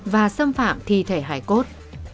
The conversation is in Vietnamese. và xâm phạm thi thể hải cốt